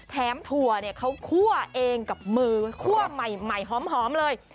แถมถั่วเค้าค่วเองกับมือค่วใหม่หอมเลย